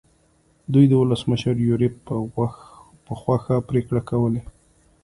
دوی د ولسمشر یوریب په خوښه پرېکړې کولې.